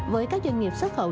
với các doanh nghiệp xuất khẩu